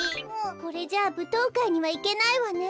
これじゃあぶとうかいにはいけないわね。